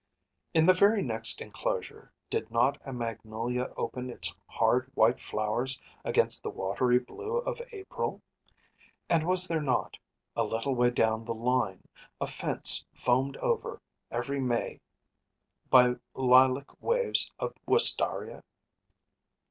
In the very next enclosure did not a magnolia open its hard white flowers against the watery blue of April? And was there not, a little way down the line, a fence foamed over every May be lilac waves of wistaria?